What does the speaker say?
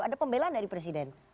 ada pembelaan dari presiden